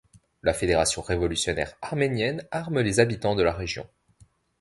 La Fédération révolutionnaire arménienne arme les habitants de la région.